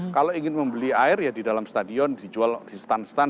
kalau ingin membeli air ya di dalam stadion dijual di stand stand